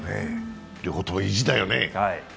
両方とも意地だよね。